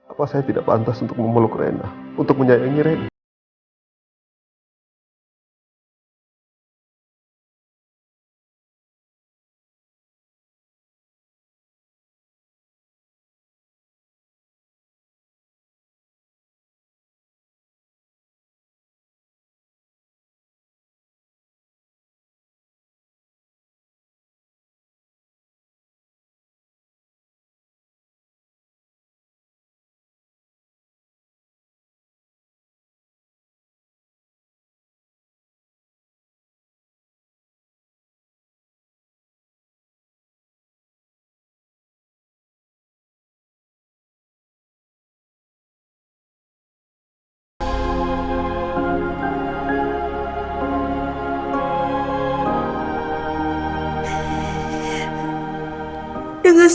apa saya tidak pantas untuk memeluk rena